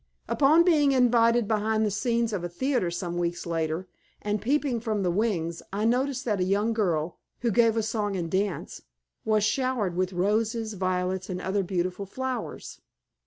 Upon being invited behind the scenes of a theatre some weeks later, and peeping from the wings, I noticed that a young girl (who gave a song and dance) was showered with roses, violets and other beautiful flowers.